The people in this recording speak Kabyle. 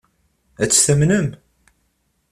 Ad tt-tamnem?